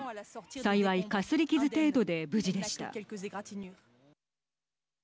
幸いかすり傷程度で無事でした。